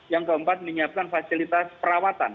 yang keempat menyiapkan fasilitas perawatan